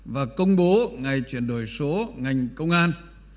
và công bố ngày chuyển đổi số ngành công an